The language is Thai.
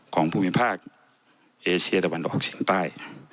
ของภูมิภาคเอเชียตะวันออกเฉียงใต้